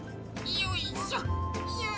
よいしょ！